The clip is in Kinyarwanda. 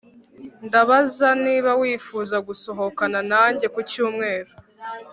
Ndabaza niba wifuza gusohokana nanjye kucyumweru